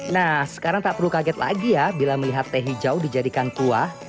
nah sekarang tak perlu kaget lagi ya bila melihat teh hijau dijadikan kuah